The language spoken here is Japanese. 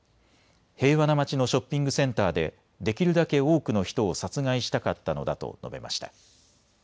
平和な街のショッピングセンターで、できるだけ多くの人を殺害したかったのだと述べました。